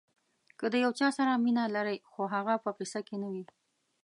که د یو چا سره مینه لرئ خو هغه په قصه کې نه وي.